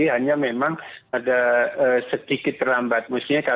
hanya memang ada